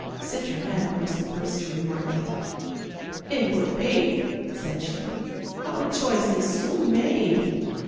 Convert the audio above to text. Citronetta was the first to remark it. 'In good faith, 'said she, 'our choice is soon made.'